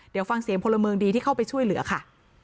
เดี๋ยวฟังเสียงพลเมืองดีที่เข้าไปช่วยเหลือค่ะ